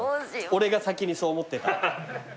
俺が先にそう思ってた。